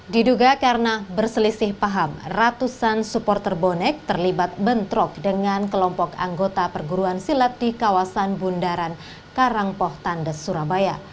diduga karena berselisih paham ratusan supporter bonek terlibat bentrok dengan kelompok anggota perguruan silat di kawasan bundaran karangpoh tandes surabaya